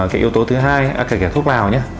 cái yếu tố thứ hai là kể cả thuốc lào nhé